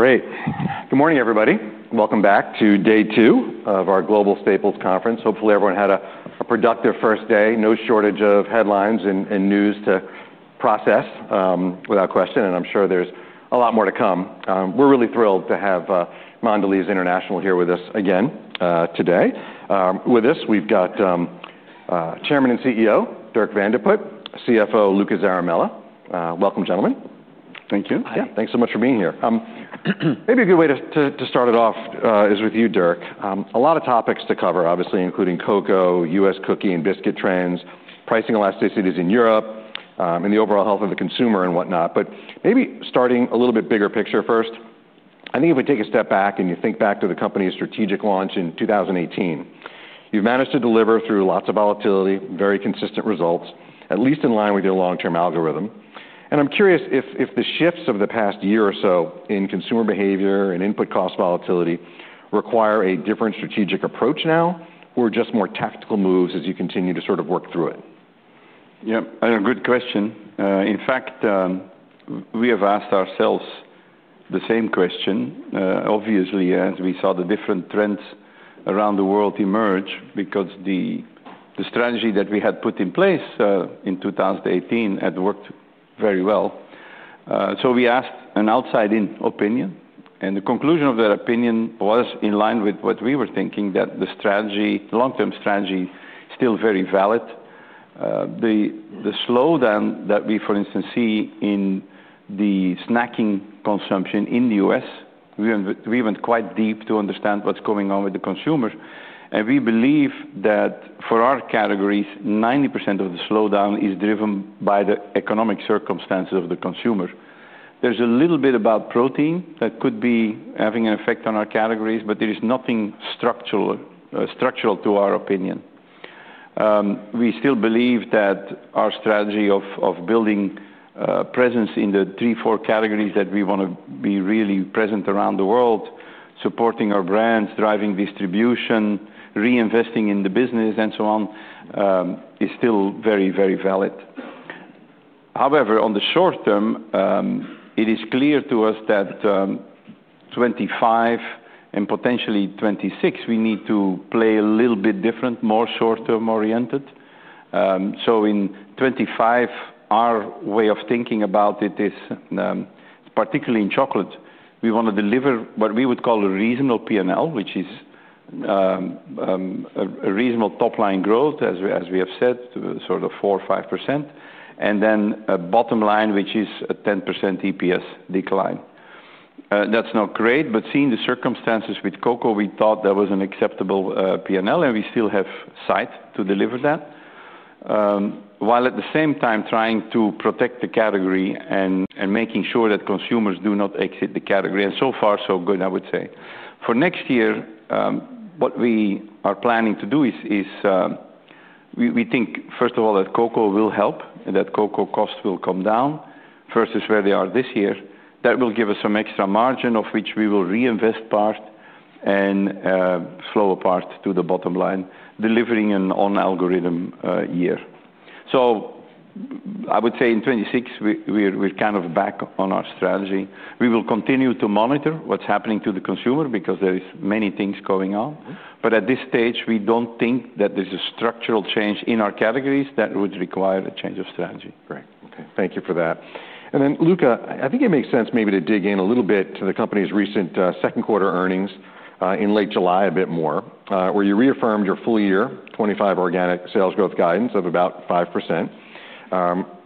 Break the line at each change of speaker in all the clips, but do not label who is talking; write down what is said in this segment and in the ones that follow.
Great. Good morning, everybody. Welcome back to day two of our Global Staples Conference. Hopefully, everyone had a productive first day. No shortage of headlines and news to process, without question. I'm sure there's a lot more to come. We're really thrilled to have Mondelēz International here with us again today. With us, we've got Chairman and CEO Dirk Van de Put, CFO Luca Zaramella. Welcome, gentlemen.
Thank you.
Hi.
Thanks so much for being here. Maybe a good way to start it off is with you, Dirk. A lot of topics to cover, obviously, including cocoa, U.S. cookie and biscuit trends, pricing elasticities in Europe, and the overall health of the consumer and whatnot. Maybe starting a little bit bigger picture first, I think if we take a step back and you think back to the company's strategic launch in 2018, you've managed to deliver through lots of volatility, very consistent results, at least in line with your long-term algorithm. I'm curious if the shifts over the past year or so in consumer behavior and input cost volatility require a different strategic approach now or just more tactical moves as you continue to sort of work through it.
Yeah, good question. In fact, we have asked ourselves the same question, obviously, as we saw the different trends around the world emerge because the strategy that we had put in place in 2018 had worked very well. We asked an outside-in opinion, and the conclusion of that opinion was in line with what we were thinking, that the strategy, the long-term strategy, is still very valid. The slowdown that we, for instance, see in the snacking consumption in the U.S., we went quite deep to understand what's going on with the consumers. We believe that for our categories, 90% of the slowdown is driven by the economic circumstances of the consumer. There's a little bit about protein that could be having an effect on our categories, but there is nothing structural to our opinion. We still believe that our strategy of building presence in the three, four categories that we want to be really present around the world, supporting our brands, driving distribution, reinvesting in the business, and so on, is still very, very valid. However, on the short term, it is clear to us that 2025 and potentially 2026, we need to play a little bit different, more short-term oriented. In 2025, our way of thinking about it is particularly in chocolate, we want to deliver what we would call a reasonable P&L, which is a reasonable top-line growth, as we have said, to sort of 4% or 5%, and then a bottom line, which is a 10% EPS decline. That's not great. Seeing the circumstances with cocoa, we thought that was an acceptable P&L, and we still have sight to deliver that, while at the same time trying to protect the category and making sure that consumers do not exit the category. So far, so good, I would say. For next year, what we are planning to do is we think, first of all, that cocoa will help, that cocoa costs will come down versus where they are this year. That will give us some extra margin of which we will reinvest part and slow a part to the bottom line, delivering an on-algorithm year. I would say in 2026, we're kind of back on our strategy. We will continue to monitor what's happening to the consumer because there are many things going on. At this stage, we don't think that there's a structural change in our categories that would require a change of strategy.
Great. OK. Thank you for that. Luca, I think it makes sense maybe to dig in a little bit to the company's recent second quarter earnings in late July a bit more, where you reaffirmed your full year 2025 organic sales growth guidance of about 5%.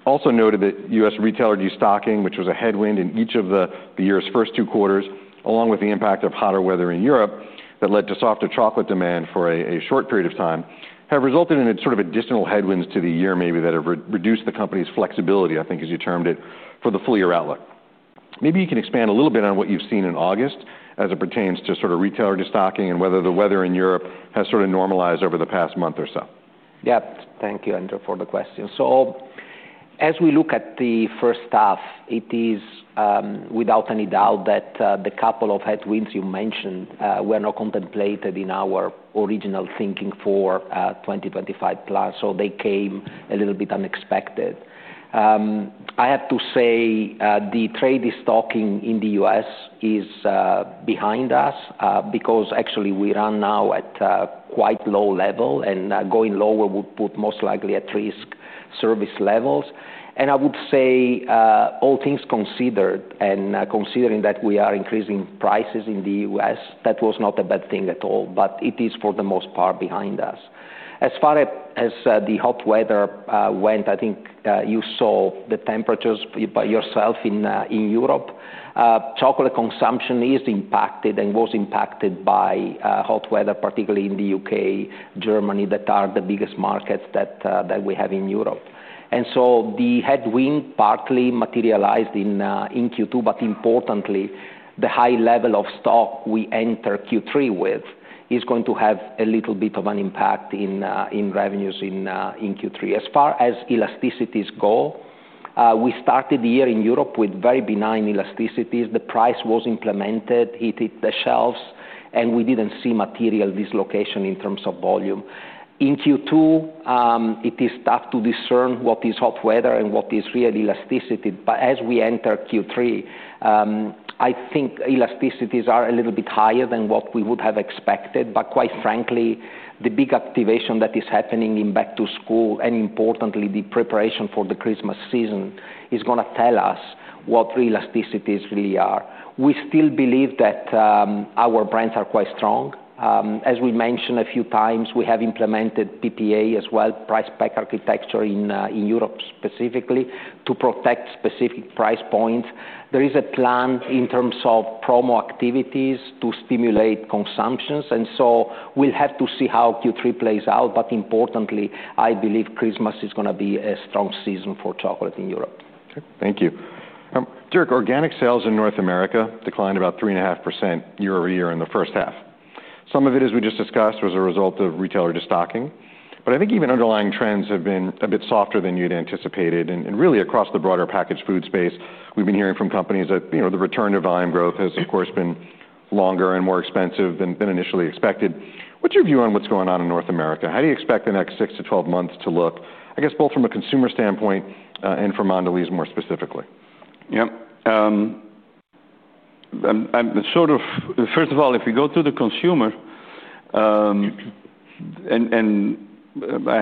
Also noted that U.S. retailer restocking, which was a headwind in each of the year's first two quarters, along with the impact of hotter weather in Europe that led to softer chocolate demand for a short period of time, have resulted in sort of additional headwinds to the year maybe that have reduced the company's flexibility, I think, as you termed it, for the full year outlook. Maybe you can expand a little bit on what you've seen in August as it pertains to retailer restocking and whether the weather in Europe has sort of normalized over the past month or so.
Yeah. Thank you, Andrew, for the question. As we look at the first half, it is without any doubt that the couple of headwinds you mentioned were not contemplated in our original thinking for 2025+. They came a little bit unexpected. I have to say the trade restocking in the U.S. is behind us because actually, we run now at quite low level. Going lower would put most likely at risk service levels. I would say all things considered, and considering that we are increasing prices in the U.S., that was not a bad thing at all. It is, for the most part, behind us. As far as the hot weather went, I think you saw the temperatures yourself in Europe. Chocolate consumption is impacted and was impacted by hot weather, particularly in the U.K., Germany. Those are the biggest markets that we have in Europe. The headwind partly materialized in Q2. Importantly, the high level of stock we enter Q3 with is going to have a little bit of an impact in revenues in Q3. As far as elasticities go, we started the year in Europe with very benign elasticities. The price was implemented. It hit the shelves. We didn't see material dislocation in terms of volume. In Q2, it is tough to discern what is hot weather and what is real elasticity. As we enter Q3, I think elasticities are a little bit higher than what we would have expected. Quite frankly, the big activation that is happening in back-to-school and, importantly, the preparation for the Christmas season is going to tell us what elasticities really are. We still believe that our brands are quite strong. As we mentioned a few times, we have implemented PPA as well, price pack architecture in Europe specifically, to protect specific price points. There is a plan in terms of promo activities to stimulate consumptions. We will have to see how Q3 plays out. Importantly, I believe Christmas is going to be a strong season for chocolate in Europe.
OK. Thank you. Dirk, organic sales in North America declined about 3.5% year- over- year in the first half. Some of it, as we just discussed, was a result of retailer restocking. I think even underlying trends have been a bit softer than you'd anticipated. Across the broader packaged food space, we've been hearing from companies that the return to volume growth has, of course, been longer and more expensive than initially expected. What's your view on what's going on in North America? How do you expect the next six to 12 months to look, I guess, both from a consumer standpoint and for Mondelēz International more specifically?
Yeah. First of all, if we go to the consumer, I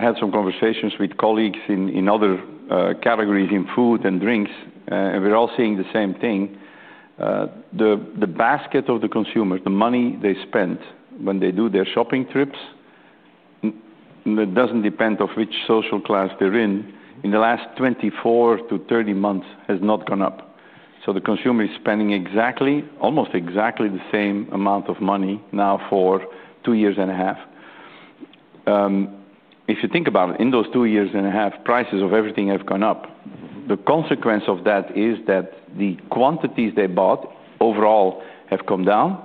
had some conversations with colleagues in other categories in food and drinks, and we're all seeing the same thing. The basket of the consumers, the money they spend when they do their shopping trips, it doesn't depend on which social class they're in. In the last 24- 30 months, it has not gone up. The consumer is spending almost exactly the same amount of money now for two and a half years. If you think about it, in those two and a half years, prices of everything have gone up. The consequence of that is that the quantities they bought overall have come down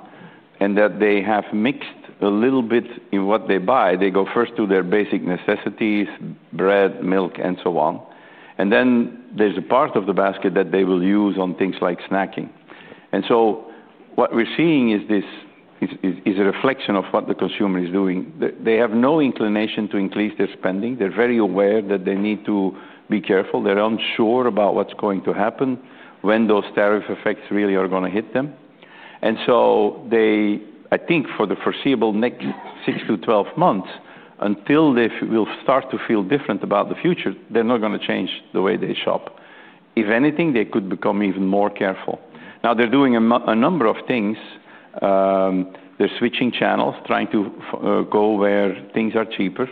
and that they have mixed a little bit in what they buy. They go first to their basic necessities, bread, milk, and so on. There's a part of the basket that they will use on things like snacking. What we're seeing is a reflection of what the consumer is doing. They have no inclination to increase their spending. They're very aware that they need to be careful. They're unsure about what's going to happen, when those tariff effects really are going to hit them. I think, for the foreseeable next six to 12 months, until they start to feel different about the future, they're not going to change the way they shop. If anything, they could become even more careful. They're doing a number of things. They're switching channels, trying to go where things are cheaper.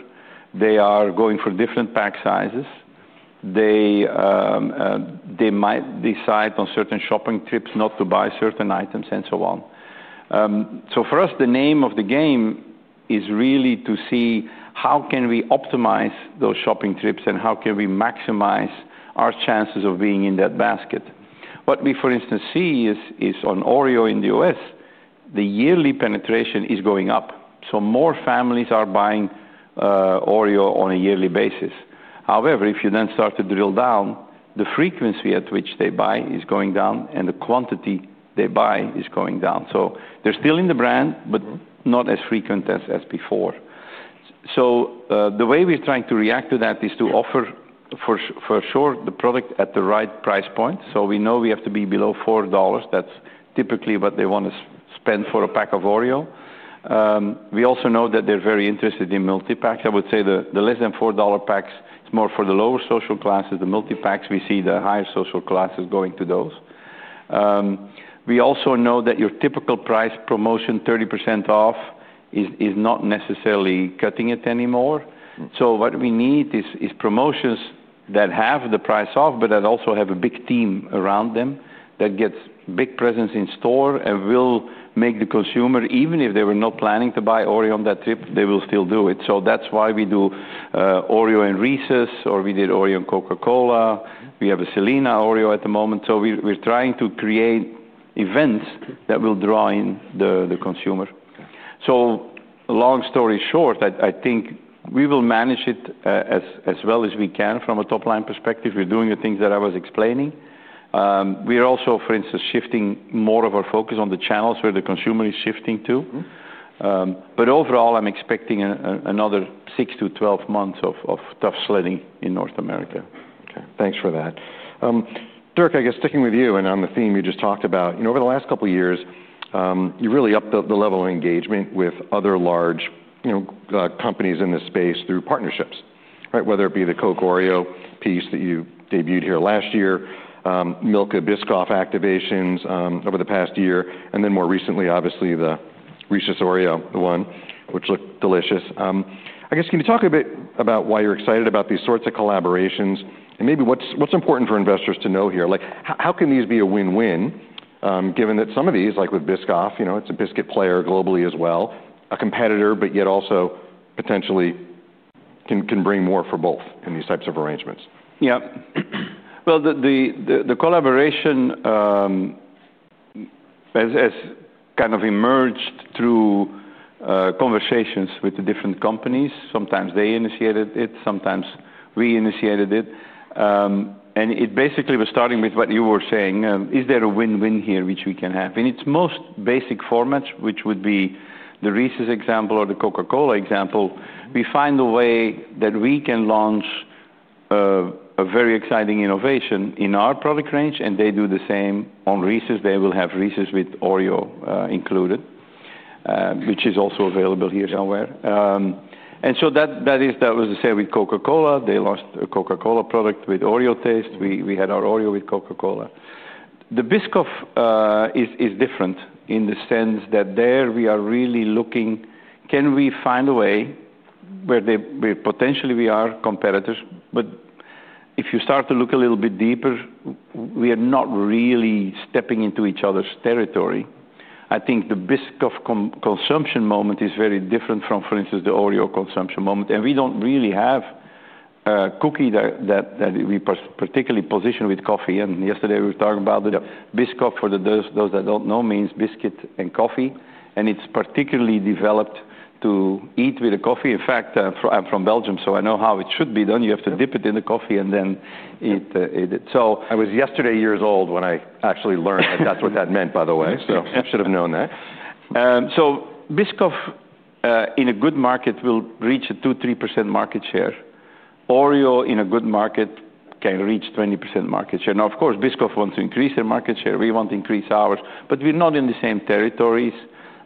They are going for different pack sizes. They might decide on certain shopping trips not to buy certain items and so on. For us, the name of the game is really to see how can we optimize those shopping trips and how can we maximize our chances of being in that basket. What we, for instance, see is on OREO in the U.S., the yearly penetration is going up. More families are buying OREO on a yearly basis. However, if you then start to drill down, the frequency at which they buy is going down, and the quantity they buy is going down. They're still in the brand, but not as frequent as before. The way we're trying to react to that is to offer, for sure, the product at the right price point. We know we have to be below $4. That's typically what they want to spend for a pack of OREO. We also know that they're very interested in multipacks. I would say the less than $4 packs is more for the lower social classes. The multipacks, we see the higher social classes going to those. We also know that your typical price promotion, 30% off, is not necessarily cutting it anymore. What we need is promotions that have the price off, but that also have a big team around them that gets a big presence in store and will make the consumer, even if they were not planning to buy OREO on that trip, they will still do it. That is why we do OREO and REESE'S, or we did OREO and Coca-Cola. We have a Selena OREO at the moment. We are trying to create events that will draw in the consumer. Long story short, I think we will manage it as well as we can from a top-line perspective. We are doing the things that I was explaining. We are also, for instance, shifting more of our focus on the channels where the consumer is shifting to. Overall, I am expecting another six to 12 months of tough sledding in North America.
Thanks for that. Dirk, I guess sticking with you and on the theme we just talked about, over the last couple of years, you really upped the level of engagement with other large companies in this space through partnerships, whether it be the Coke OREO piece that you debuted here last year, Milka Biscoff activations over the past year, and then more recently, obviously, the REESE'S OREO one, which looked delicious. I guess can you talk a bit about why you're excited about these sorts of collaborations? Maybe what's important for investors to know here? How can these be a win-win, given that some of these, like with Biscoff, it's a biscuit player globally as well, a competitor, but yet also potentially can bring more for both in these types of arrangements?
Yeah. The collaboration has kind of emerged through conversations with the different companies. Sometimes they initiated it. Sometimes we initiated it. It basically was starting with what you were saying. Is there a win-win here which we can have? In its most basic formats, which would be the REESE'S example or the Coca-Cola example, we find a way that we can launch a very exciting innovation in our product range. They do the same on REESE'S. They will have REESE'S with OREO included, which is also available here somewhere. That was the same with Coca-Cola. They launched a Coca-Cola product with OREO taste. We had our OREO with Coca-Cola. The Biscoff is different in the sense that there we are really looking, can we find a way where potentially we are competitors? If you start to look a little bit deeper, we are not really stepping into each other's territory. I think the Biscoff consumption moment is very different from, for instance, the OREO consumption moment. We don't really have a cookie that we particularly position with coffee. Yesterday, we were talking about it. Biscoff, for those that don't know, means biscuit and coffee. It's particularly developed to eat with a coffee. In fact, I'm from Belgium, so I know how it should be done. You have to dip it in the coffee and then eat it.
I was yesterday years old when I actually learned that that's what that meant, by the way. Should have known that.
Biscoff in a good market will reach a 2%, 3% market share. OREO in a good market can reach 20% market share. Now, of course, Biscoff wants to increase their market share. We want to increase ours. We're not in the same territories.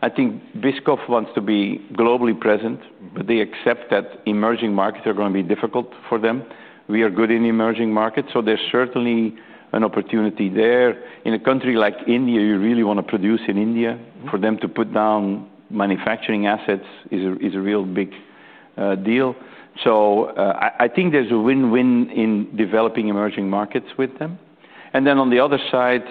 I think Biscoff wants to be globally present. They accept that emerging markets are going to be difficult for them. We are good in emerging markets, so there's certainly an opportunity there. In a country like India, you really want to produce in India. For them to put down manufacturing assets is a real big deal. I think there's a win-win in developing emerging markets with them. On the other side,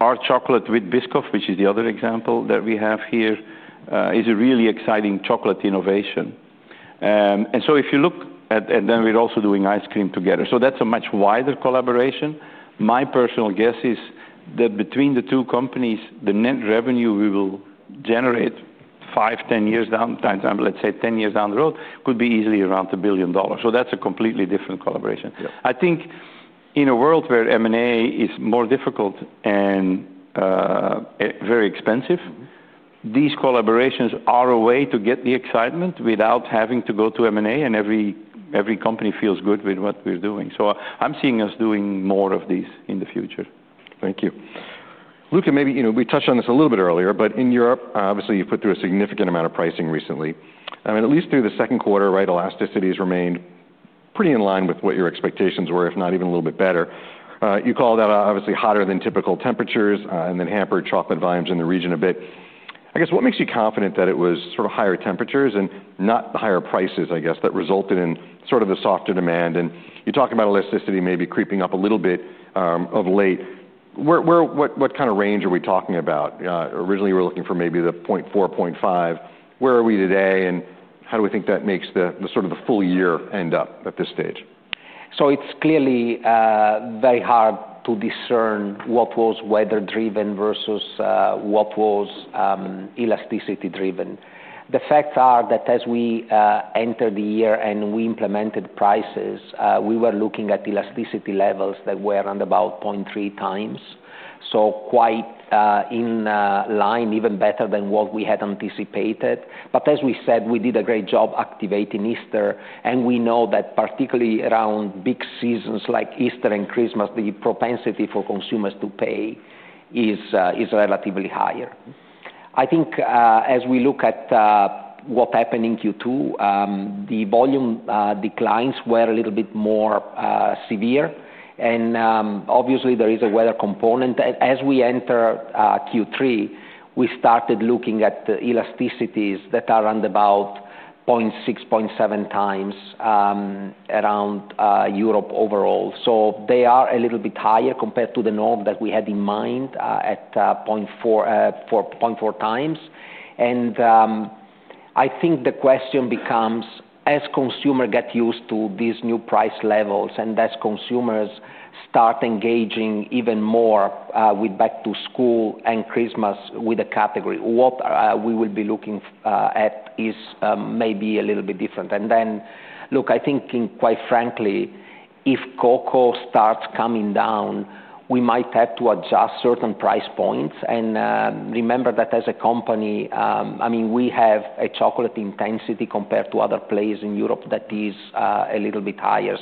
our chocolate with Biscoff, which is the other example that we have here, is a really exciting chocolate innovation. If you look at it, we're also doing ice cream together, so that's a much wider collaboration. My personal guess is that between the two companies, the net revenue we will generate five, 10 years down, let's say 10 years down the road, could be easily around $1 billion. That's a completely different collaboration. I think in a world where M&A is more difficult and very expensive, these collaborations are a way to get the excitement without having to go to M&A. Every company feels good with what we're doing. I'm seeing us doing more of these in the future.
Thank you. Luca, maybe we touched on this a little bit earlier. In Europe, obviously, you've put through a significant amount of pricing recently, and at least through the second quarter, right, elasticities remained pretty in line with what your expectations were, if not even a little bit better. You called out obviously hotter than typical temperatures and then hampered chocolate volumes in the region a bit. I guess what makes you confident that it was sort of higher temperatures and not the higher prices, I guess, that resulted in sort of the softer demand? You're talking about elasticity maybe creeping up a little bit of late. What kind of range are we talking about? Originally, we were looking for maybe the 0.4x, 0.5x. Where are we today? How do we think that makes the sort of the full year end up at this stage?
It's clearly very hard to discern what was weather-driven versus what was elasticity-driven. The facts are that as we entered the year and we implemented prices, we were looking at elasticity levels that were around about 0.3 x, quite in line, even better than what we had anticipated. As we said, we did a great job activating Easter. We know that particularly around big seasons like Easter and Christmas, the propensity for consumers to pay is relatively higher. I think as we look at what happened in Q2, the volume declines were a little bit more severe. Obviously, there is a weather component. As we enter Q3, we started looking at elasticities that are around about 0.6x, 0.7x around Europe overall. They are a little bit higher compared to the norm that we had in mind at 0.4 x. I think the question becomes, as consumers get used to these new price levels and as consumers start engaging even more with back-to-school and Christmas with a category, what we will be looking at is maybe a little bit different. Quite frankly, if cocoa starts coming down, we might have to adjust certain price points. Remember that as a company, we have a chocolate intensity compared to other players in Europe that is a little bit higher.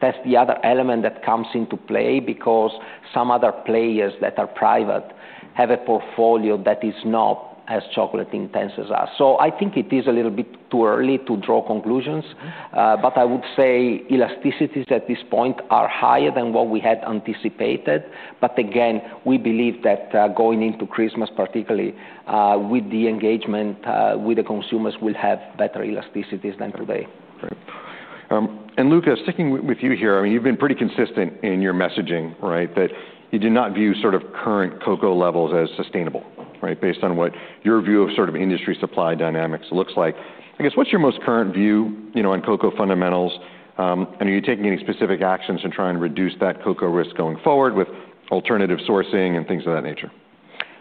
That's the other element that comes into play because some other players that are private have a portfolio that is not as chocolate intense as us. I think it is a little bit too early to draw conclusions. I would say elasticities at this point are higher than what we had anticipated. Again, we believe that going into Christmas, particularly with the engagement with the consumers, we'll have better elasticities than today.
Luca, sticking with you here, you've been pretty consistent in your messaging, right, that you do not view current cocoa levels as sustainable, right, based on what your view of industry supply dynamics looks like. What's your most current view on cocoa fundamentals? Are you taking any specific actions to try and reduce that cocoa risk going forward with alternative sourcing and things of that nature?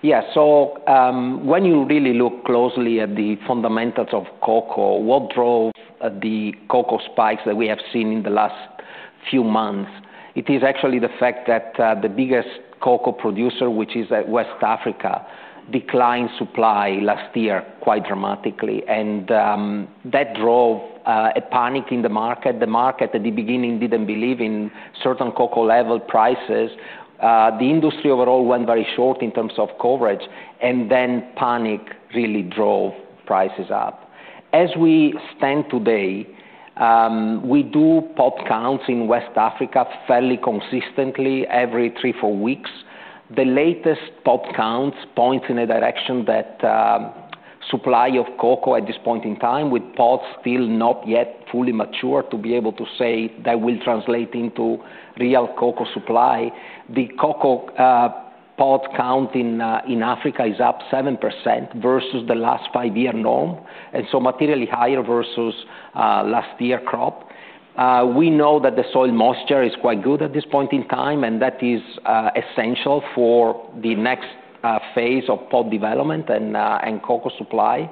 Yeah. When you really look closely at the fundamentals of cocoa, what drove the cocoa spikes that we have seen in the last few months, it is actually the fact that the biggest cocoa producer, which is West Africa, declined supply last year quite dramatically. That drove a panic in the market. The market at the beginning didn't believe in certain cocoa level prices. The industry overall went very short in terms of coverage and then p anic really drove prices up. As we stand today, we do pod counts in West Africa fairly consistently every three, four weeks. The latest pod counts point in a direction that supply of cocoa at this point in time with pods still not yet fully matured to be able to say that will translate into real cocoa supply. The cocoa pod count in Africa is up 7% versus the last five-year norm and so materially higher versus last year crop. We know that the soil moisture is quite good at this point in time. That is essential for the next phase of pod development and cocoa supply.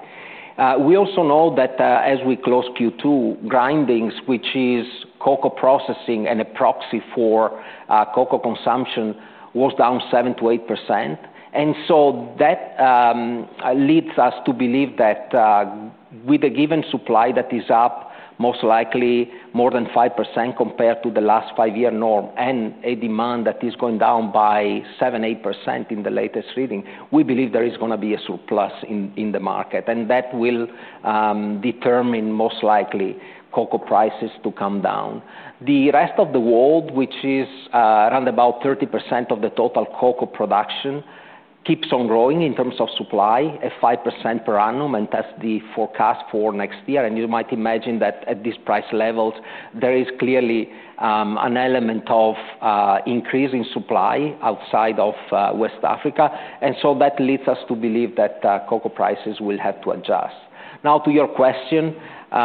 We also know that as we close Q2, grindings, which is cocoa processing and a proxy for cocoa consumption, was down 7%- 8%. That leads us to believe that with a given supply that is up most likely more than 5% compared to the last five-year norm and a demand that is going down by 7%, 8% in the latest reading, we believe there is going to be a surplus in the market. That will determine most likely cocoa prices to come down. The rest of the world, which is around about 30% of the total cocoa production, keeps on growing in terms of supply at 5% per annum. That is the forecast for next year. You might imagine that at these price levels, there is clearly an element of increasing supply outside of West Africa. That leads us to believe that cocoa prices will have to adjust. Now, to your question, we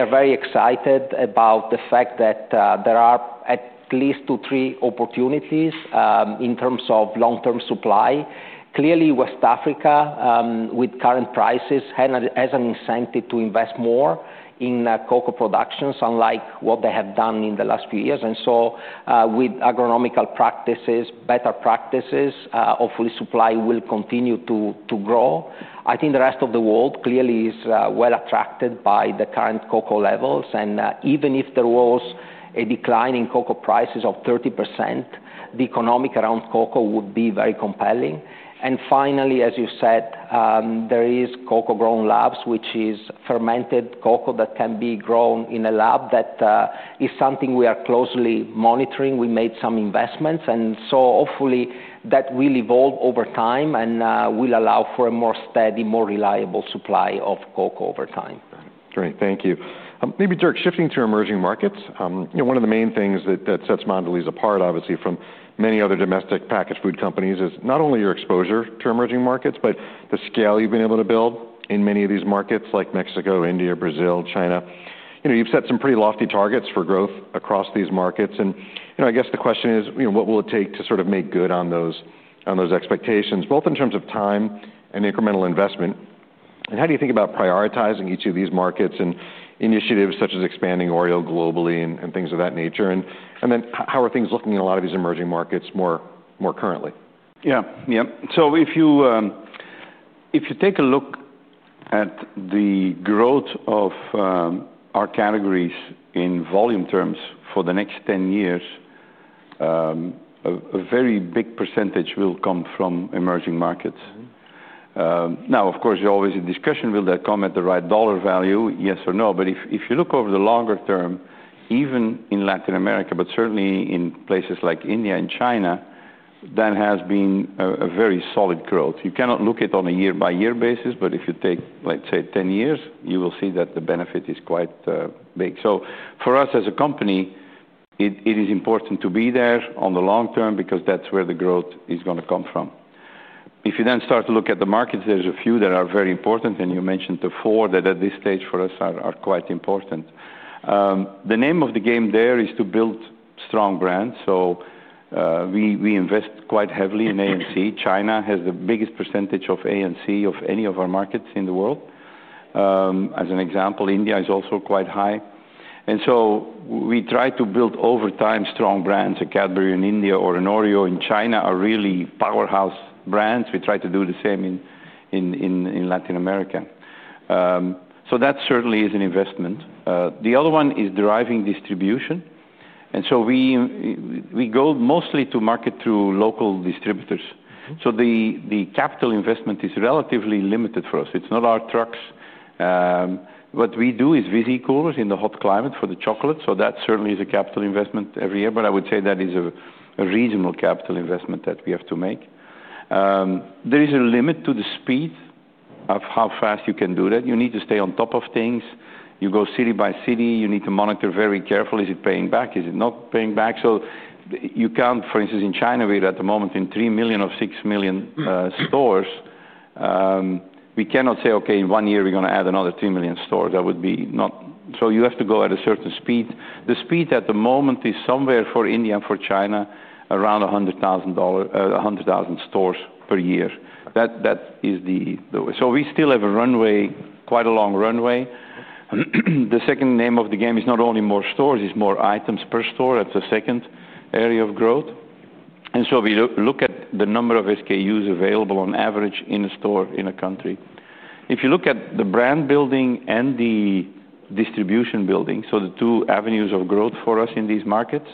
are very excited about the fact that there are at least two or three opportunities in terms of long-term supply. Clearly, West Africa, with current prices, has an incentive to invest more in cocoa productions, unlike what they have done in the last few years. With agronomical practices, better practices, hopefully, supply will continue to grow. I think the rest of the world clearly is well attracted by the current cocoa levels. Even if there was a decline in cocoa prices of 30%, the economic around cocoa would be very compelling. Finally, as you said, there is cocoa grown labs, which is fermented cocoa that can be grown in a lab. That is something we are closely monitoring. We made some investments. Hopefully, that will evolve over time and will allow for a more steady, more reliable supply of cocoa over time.
Great. Thank you. Maybe, Dirk, shifting to emerging markets, one of the main things that sets Mondelēz apart, obviously, from many other domestic packaged food companies is not only your exposure to emerging markets, but the scale you've been able to build in many of these markets like Mexico, India, Brazil, China. You've set some pretty lofty targets for growth across these markets. I guess the question is, what will it take to sort of make good on those expectations, both in terms of time and incremental investment? How do you think about prioritizing each of these markets and initiatives such as expanding OREO globally and things of that nature? How are things looking in a lot of these emerging markets more currently?
Yeah. Yeah. If you take a look at the growth of our categories in volume terms for the next 10 years, a very big percentage will come from emerging markets. Of course, there's always a discussion, will that come at the right dollar value, yes or no? If you look over the longer term, even in Latin America, but certainly in places like India and China, that has been a very solid growth. You cannot look at it on a year-by-year basis. If you take, let's say, 10 years, you will see that the benefit is quite big. For us as a company, it is important to be there on the long term because that's where the growth is going to come from. If you then start to look at the markets, there's a few that are very important. You mentioned the four that at this stage for us are quite important. The name of the game there is to build strong brands. We invest quite heavily in A& C. China has the biggest percentage of A& C of any of our markets in the world. As an example, India is also quite high. We try to build, over time, strong brands. A Cadbury in India or an OREO in China are really powerhouse brands. We try to do the same in Latin America. That certainly is an investment. The other one is driving distribution. We go mostly to market through local distributors. The capital investment is relatively limited for us. It's not our trucks. What we do is Visi coolers in the hot climate for the chocolate. That certainly is a capital investment every year. I would say that is a regional capital investment that we have to make. There is a limit to the speed of how fast you can do that. You need to stay on top of things. You go city by city. You need to monitor very carefully. Is it paying back? Is it not paying back? You can't, for instance, in China, we're at the moment in 3 million or 6 million stores. We cannot say, "Okay, in one year, we're going to add another 3 million stores." That would be not. You have to go at a certain speed. The speed at the moment is somewhere, for India and for China, around 100,000 stores per year. That is the way. We still have a runway, quite a long runway. The second name of the game is not only more stores. It's more items per store. That's the second area of growth. We look at the number of SKUs available on average in a store in a country. If you look at the brand building and the distribution building, the two avenues of growth for us in these markets,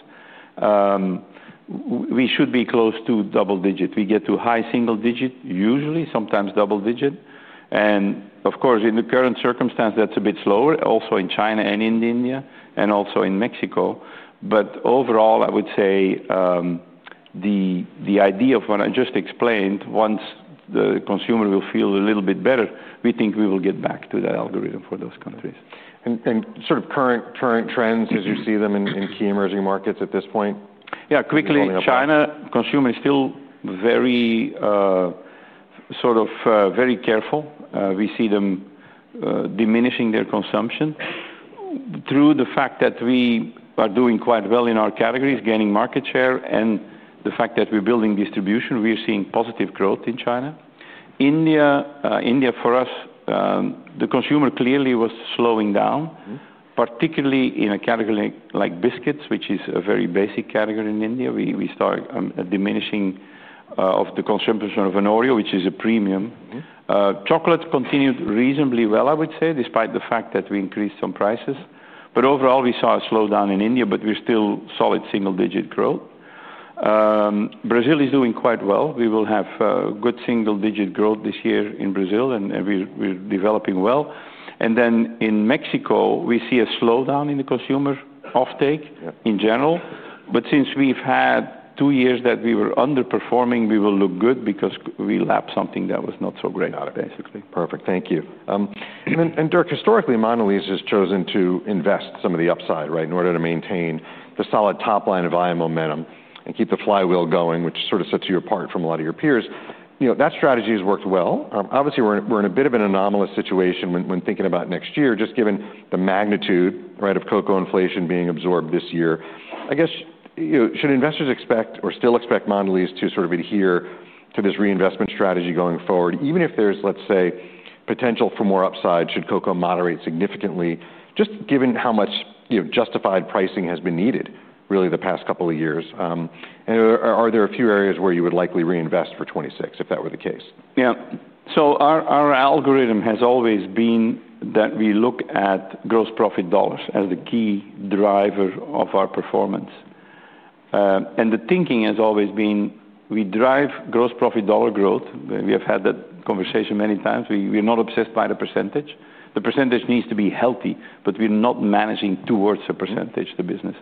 we should be close to double digit. We get to high single digit usually, sometimes double digit. Of course, in the current circumstance, that's a bit slower, also in China and in India and also in Mexico. Overall, I would say the idea of what I just explained, once the consumer will feel a little bit better, we think we will get back to that algorithm for those countries.
What are the current trends, as you see them, in key emerging markets at this point?
Yeah. Quickly, China, consumer is still very sort of very careful. We see them diminishing their consumption through the fact that we are doing quite well in our categories, gaining market share. The fact that we're building distribution, we're seeing positive growth in China. India, for us, the consumer clearly was slowing down, particularly in a category like biscuits, which is a very basic category in India. We saw a diminishing of the consumption of an OREO, which is a premium. Chocolate continued reasonably well, I would say, despite the fact that we increased some prices. Overall, we saw a slowdown in India. We're still solid single-digit growth. Brazil is doing quite well. We will have good single-digit growth this year in Brazil. We're developing well. In Mexico, we see a slowdown in the consumer offtake in general. Since we've had two years that we were underperforming, we will look good because we lapped something that was not so great yet.
Got it, basically. Perfect. Thank you. Dirk, historically, Mondelēz has chosen to invest some of the upside, right, in order to maintain the solid top-line volume momentum and keep the flywheel going, which sort of sets you apart from a lot of your peers. That strategy has worked well. Obviously, we're in a bit of an anomalous situation when thinking about next year, just given the magnitude of cocoa inflation being absorbed this year. I guess should investors expect or still expect Mondelēz to sort of adhere to this reinvestment strategy going forward, even if there's, let's say, potential for more upside, should cocoa moderate significantly, just given how much justified pricing has been needed really the past couple of years? Are there a few areas where you would likely reinvest for 2026, if that were the case?
Yeah. Our algorithm has always been that we look at gross profit dollars as the key driver of our performance. The thinking has always been we drive gross profit dollar growth. We have had that conversation many times. We're not obsessed by the percentage. The percentage needs to be healthy, but we're not managing towards a percentage, the business.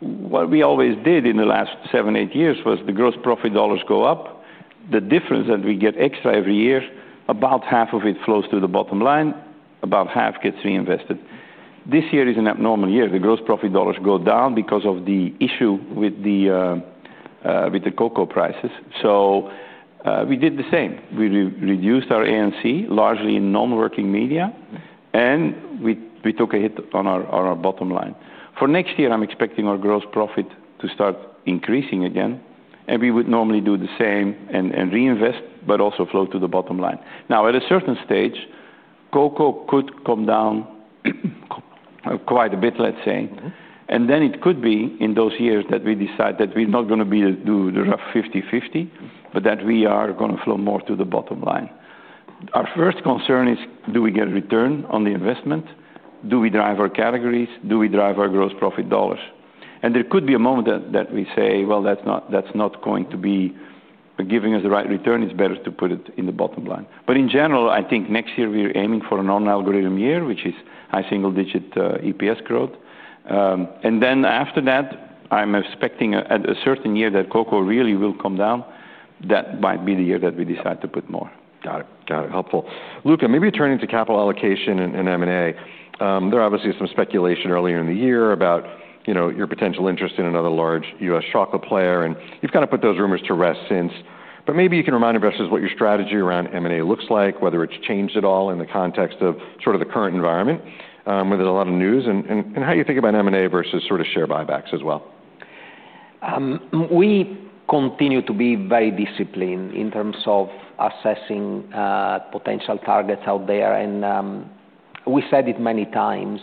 What we always did in the last seven, eight years was the gross profit dollars go up. The difference that we get extra every year, about half of it flows to the bottom line, about half gets reinvested. This year is an abnormal year. The gross profit dollars go down because of the issue with the cocoa prices. We did the same. We reduced our A & C largely in non-working media, and we took a hit on our bottom line. For next year, I'm expecting our gross profit to start increasing again. We would normally do the same and reinvest, but also flow to the bottom line. At a certain stage, cocoa could come down quite a bit, let's say, and then it could be in those years that we decide that we're not going to do the rough 50/50, but that we are going to flow more to the bottom line. Our first concern is, do we get a return on the investment? Do we drive our categories? Do we drive our gross profit dollars? There could be a moment that we say that's not going to be giving us the right return. It's better to put it in the bottom line. In general, I think next year we're aiming for a non-algorithm year, which is high single-digit EPS growth. After that, I'm expecting at a certain year that cocoa really will come down. That might be the year that we decide to put more.
Got it. Helpful. Luca, maybe turning to capital allocation and M&A, there obviously is some speculation earlier in the year about your potential interest in another large U.S. chocolate player. You've kind of put those rumors to rest since. Maybe you can remind investors what your strategy around M&A looks like, whether it's changed at all in the context of the current environment where there's a lot of news, and how you think about M&A versus share buybacks as well.
We continue to be very disciplined in terms of assessing potential targets out there. We said it many times.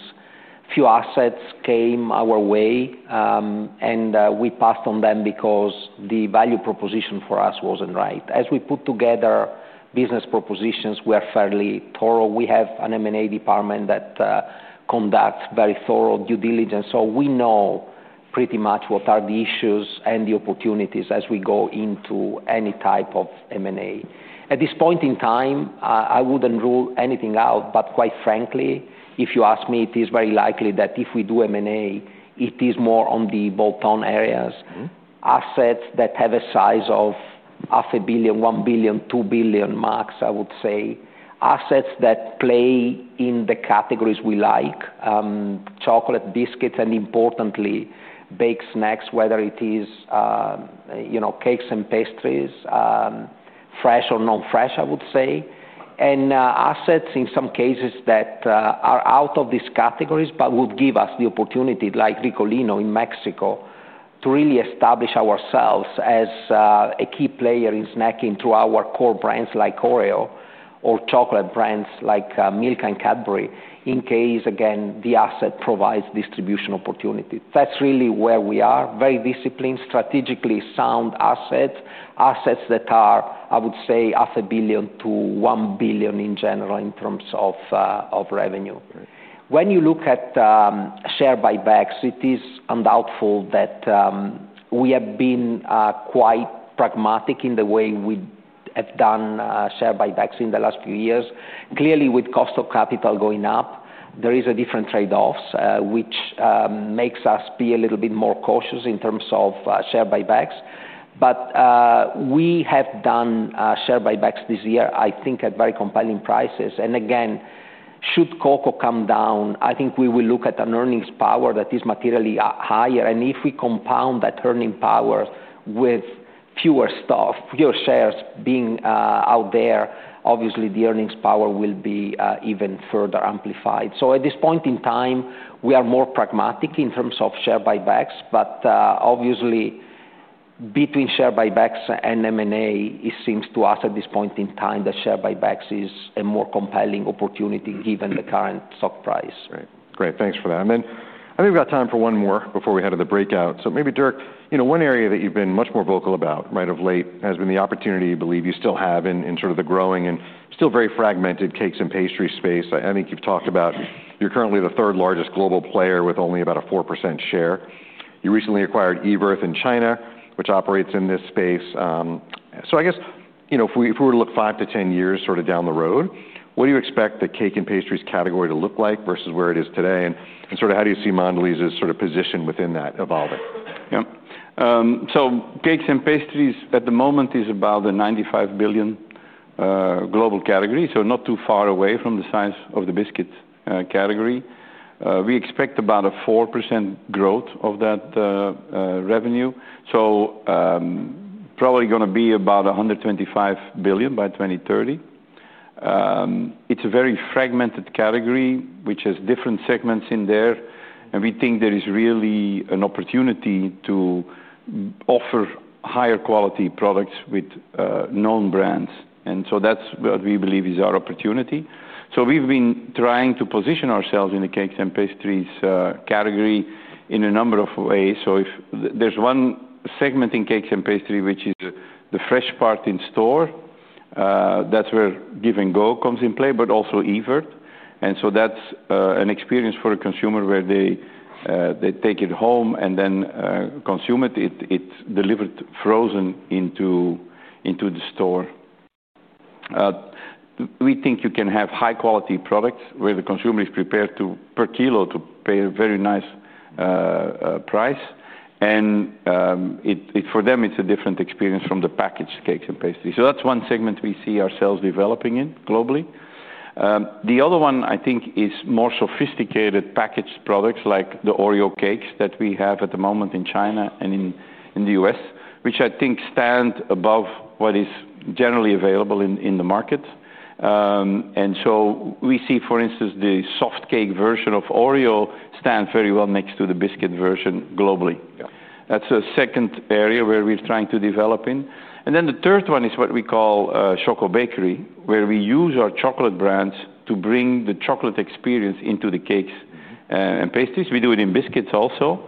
Few assets came our way, and we passed on them because the value proposition for us wasn't right. As we put together business propositions, we are fairly thorough. We have an M&A department that conducts very thorough due diligence, so we know pretty much what are the issues and the opportunities as we go into any type of M&A. At this point in time, I wouldn't rule anything out. Quite frankly, if you ask me, it is very likely that if we do M&A, it is more on the bottom areas, assets that have a size of $500 million, $1 billion, $2 billion max, I would say, assets that play in the categories we like: chocolate, biscuits, and importantly, baked snacks, whether it is cakes and pastries, fresh or non-fresh, I would say, and assets in some cases that are out of these categories but would give us the opportunity, like Ricolino in Mexico, to really establish ourselves as a key player in snacking through our core brands like OREO or chocolate brands like Milka and Cadbury, in case, again, the asset provides distribution opportunity. That's really where we are: very disciplined, strategically sound assets, assets that are, I would say, $500 million- $1 billion in general in terms of revenue. When you look at share buybacks, it is undoubtedly that we have been quite pragmatic in the way we have done share buybacks in the last few years. Clearly, with cost of capital going up, there are different trade-offs, which makes us be a little bit more cautious in terms of share buybacks. We have done share buybacks this year, I think, at very compelling prices. Again, should cocoa come down, I think we will look at an earnings power that is materially higher. If we compound that earning power with fewer stocks, fewer shares being out there, obviously, the earnings power will be even further amplified. At this point in time, we are more pragmatic in terms of share buybacks. Obviously, between share buybacks and M&A, it seems to us at this point in time that share buybacks is a more compelling opportunity given the current stock price.
Great. Thanks for that. I think we've got time for one more before we head to the breakout. Maybe, Dirk, one area that you've been much more vocal about of late has been the opportunity you believe you still have in the growing and still very fragmented cakes and pastries space. I think you've talked about you're currently the third largest global player with only about a 4% share. You recently acquired Evirth in China, which operates in this space. If we were to look five to 10 years down the road, what do you expect the cakes and pastries category to look like versus where it is today? How do you see Mondelēz 's position within that evolving?
Yeah. Cakes and pastries at the moment is about a $95 billion global category, so not too far away from the size of the biscuits category. We expect about a 4% growth of that revenue, so probably going to be about $125 billion by 2030. It's a very fragmented category, which has different segments in there. We think there is really an opportunity to offer higher quality products with known brands. That's what we believe is our opportunity. We've been trying to position ourselves in the cakes and pastries category in a number of ways. There's one segment in cakes and pastries, which is the fresh part in store. That's where Give & Go comes in play, but also Evirth. That's an experience for a consumer where they take it home and then consume it. It's delivered frozen into the store. We think you can have high-quality products where the consumer is prepared per kilo to pay a very nice price. For them, it's a different experience from the packaged cakes and pastries. That's one segment we see ourselves developing in globally. The other one, I think, is more sophisticated packaged products like the OREO cakes that we have at the moment in China and in the U.S., which I think stand above what is generally available in the market. We see, for instance, the soft cake version of OREO stand very well next to the biscuit version globally. That's a second area where we're trying to develop in. The third one is what we call chocobakery, where we use our chocolate brands to bring the chocolate experience into the cakes and pastries. We do it in biscuits also.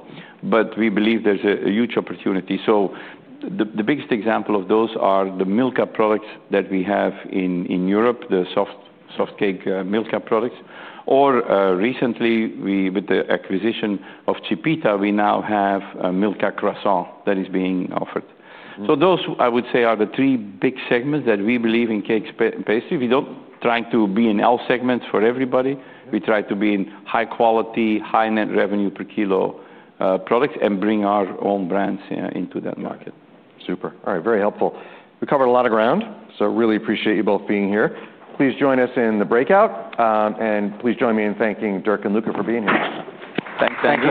We believe there's a huge opportunity. The biggest example of those are the Milka products that we have in Europe, the soft cake Milka products. Recently, with the acquisition of Chipita, we now have Milka croissant that is being offered. Those, I would say, are the three big segments that we believe in cakes and pastries. We don't try to be in all segments for everybody. We try to be in high quality, high net revenue per kilo products and bring our own brands into that market.
Super. All right. Very helpful. We covered a lot of ground. I really appreciate you both being here. Please join us in the breakout, and please join me in thanking Dirk and Luca for being here.
Thank you.